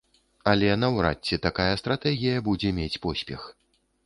Але наўрад ці такая стратэгія будзе мець поспех.